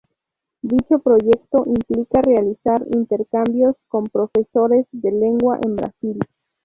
Dicho proyecto implica realizar intercambios con profesores de lengua en Brasil.